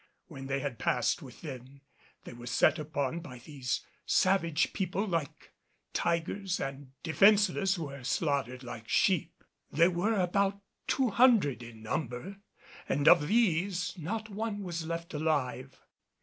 When they had passed within they were set upon by these savage people like tigers and, defenseless, were slaughtered like sheep. They were about two hundred in number and of these not one was left alive.